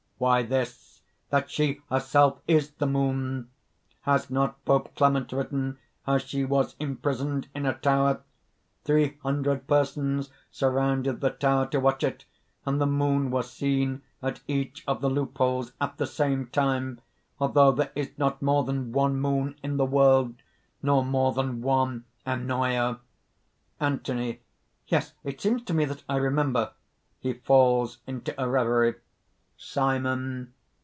"Why this, that she herself is the Moon! Has not Pope Clement written how she was imprisoned in a tower? Three hundred persons surrounded the tower to watch it; and the moon was seen at each of the loop holes at the same time, although there is not more than one moon in the world, nor more than one Ennoia!" ANTHONY. "Yes ... it seems to me that I remember...." (He falls into a reverie.) SIMON.